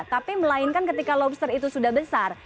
tapi melainkan ketika lobster itu sudah besar